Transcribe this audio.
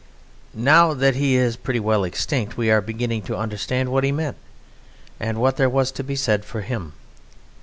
Now that he is pretty well extinct we are beginning to understand what he meant and what there was to be said for him.